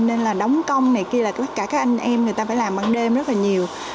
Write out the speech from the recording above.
nên là đóng công này kia là tất cả các anh em người ta phải làm ban đêm rất là nhiều